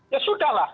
ya sudah lah